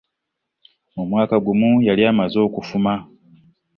Mu mwaka gumu yali amaze okufuma.